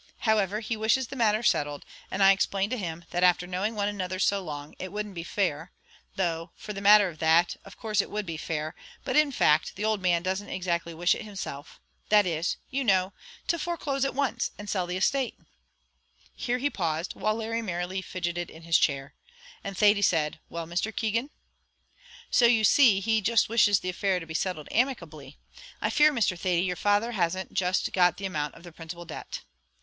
However, he wishes the matter settled, and I explained to him that after knowing one another so long, it wouldn't be fair though, for the matter of that, of course it would be fair, but, in fact, the old man doesn't exactly wish it himself that is, you know, to foreclose at once, and sell the estate " Here he paused; while Larry merely fidgeted in his chair, and Thady said, "Well, Mr. Keegan?" "So, you see, he just wishes the affair to be settled amicably. I fear, Mr. Thady, your father hasn't just got the amount of the principal debt."